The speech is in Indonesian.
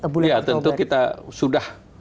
bulan oktober iya tentu kita sudah